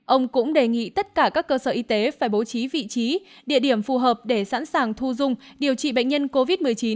ông cũng đề nghị tất cả các cơ sở y tế phải bố trí vị trí địa điểm phù hợp để sẵn sàng thu dung điều trị bệnh nhân covid một mươi chín